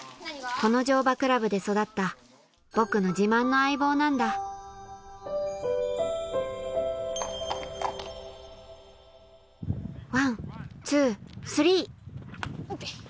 この乗馬クラブで育った僕の自慢の相棒なんだワンツースリー！